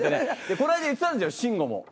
こないだ言ってたんですよ慎吾も。